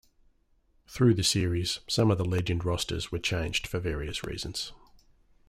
Through the series, some of the Legend rosters were changed for various reasons.